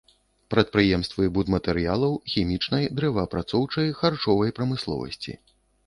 Прадпрыемствы будматэрыялаў, хімічнай, дрэваапрацоўчай, харчовай прамысловасці.